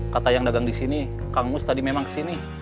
kata yang dagang di sini kang mus tadi memang kesini